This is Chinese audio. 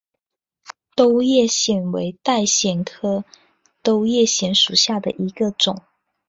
兜叶藓为带藓科兜叶藓属下的一个种。